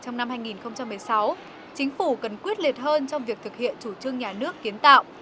trong năm hai nghìn một mươi sáu chính phủ cần quyết liệt hơn trong việc thực hiện chủ trương nhà nước kiến tạo